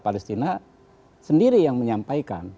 palestina sendiri yang menyampaikan